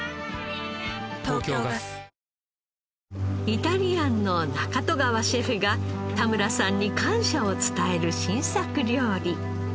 イタリアンの中戸川シェフが田村さんに感謝を伝える新作料理。